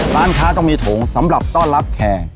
ร้านค้าต้องมีถงสำหรับต้อนรับแขก